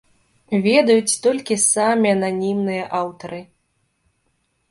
Ведаюць толькі самі ананімныя аўтары.